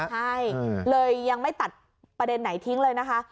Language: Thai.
ใช่เลยยังไม่ตัดประเด็นไหนทิ้งเลยนะคะ